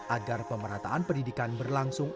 agar pemerataan pendidikan berlangsung